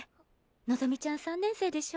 望ちゃん３年生でしょ。